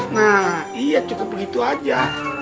nah iya cukup begitu aja